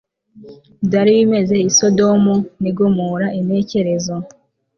byari bimeze i Sodomu ni Gomora Intekerezo